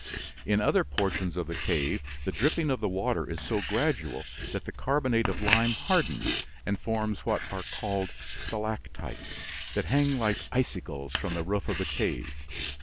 In other portions of the cave the dripping of the water is so gradual that the carbonate of lime hardens and forms what are called stalactites, that hang like icicles from the roof of the cave.